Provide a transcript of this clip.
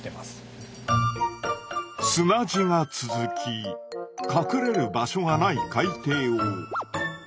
砂地が続き隠れる場所がない海底を。